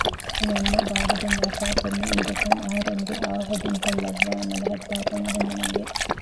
އެ މަންމަ ބާ ހެދުން ލާފައި ކޮންމެ އީދަކަށް އަހަރެންގެ އައު ހެދުން ލައްވާ ނަލަހައްދާކަން އަހަންނަށް އިނގެ